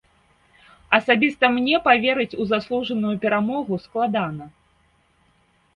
Асабіста мне паверыць у заслужаную перамогу складана.